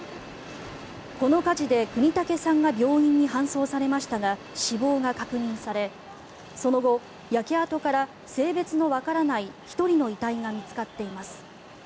この火事で國武さんが病院に搬送されましたが死亡が確認されその後、焼け跡から性別のわからない１人の遺体が見つかっています。